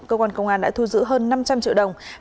cơ quan công an đã thu giữ hơn năm trăm linh triệu đồng